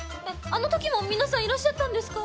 あの時も皆さんいらっしゃったんですか？